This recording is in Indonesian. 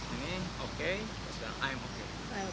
ini oke terus bilang i'm okay